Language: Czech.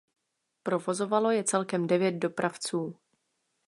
Provozovalo je celkem devět dopravců.